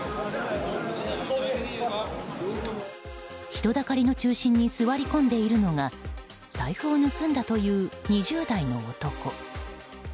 人だかりの中心に座り込んでいるのが財布を盗んだという２０代の男。